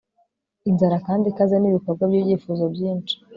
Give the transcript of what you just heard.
Inzara kandi ikaze nibikorwa byibyifuzo byinshi